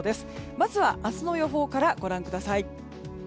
まずは明日の予報からご覧ください。